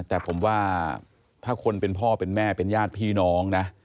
แต่ผมว่าถ้าคนเป็นพ่อเป็นแม่เป็นญาติพี่น้องนะ